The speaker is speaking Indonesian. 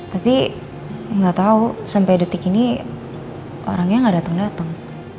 tapi gak tau sampai detik ini orangnya gak dateng dateng